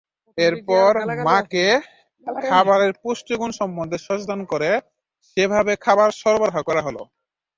এরপর মাকে খাবারের পুষ্টিগুণ সম্বন্ধে সচেতন করে সেভাবে খাবার সরবরাহ করা হলো।